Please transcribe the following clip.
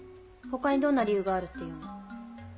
他にどんな理由があるっていうの？